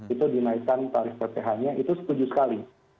itu dinaikkan tarif pph nya itu setuju sekali